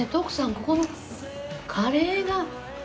ここのカレーが。